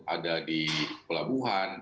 ada di pelabuhan